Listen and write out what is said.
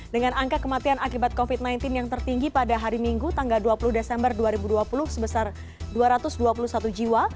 dengan angka kematian akibat covid sembilan belas yang tertinggi pada hari minggu tanggal dua puluh desember dua ribu dua puluh sebesar dua ratus dua puluh satu jiwa